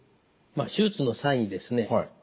手術の際にですね